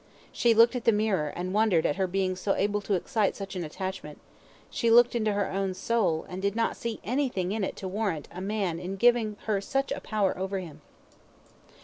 She looked at the mirror, and wondered at her being able to excite such an attachment; she looked into her own soul, and did not see anything in it to warrant a man in giving her such a power over him.